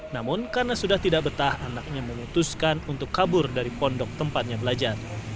namun karena sudah tidak betah anaknya memutuskan untuk kabur dari pondok tempatnya belajar